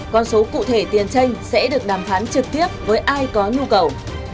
con số cụ thể tiền tranh sẽ được đàm phán trực tiếp với ai có nhu cầu